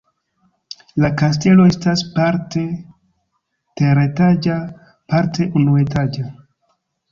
La kastelo estas parte teretaĝa, parte unuetaĝa.